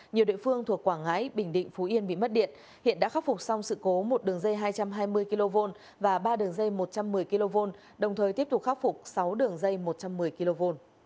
nhiều địa phương thuộc quảng ngãi bình định phú yên bị mất điện hiện đã khắc phục xong sự cố một đường dây hai trăm hai mươi kv và ba đường dây một trăm một mươi kv đồng thời tiếp tục khắc phục sáu đường dây một trăm một mươi kv